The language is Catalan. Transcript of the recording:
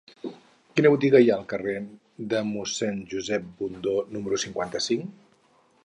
Quina botiga hi ha al carrer de Mossèn Josep Bundó número cinquanta-cinc?